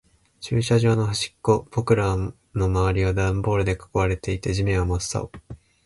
駐車場の端っこ。僕らの周りはダンボールで囲われていて、地面は真っ青。